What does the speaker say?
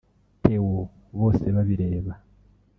Theo Bosebabireba